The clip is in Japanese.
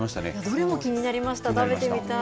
どれも気になりました、食べてみたい。